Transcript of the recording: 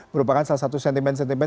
merupakan salah satu sentimen sentimen